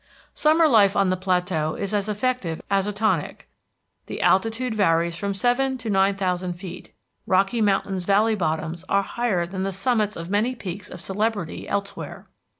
Summer life on the plateau is as effective as a tonic. The altitude varies from seven to nine thousand feet; Rocky Mountain's valley bottoms are higher than the summits of many peaks of celebrity elsewhere.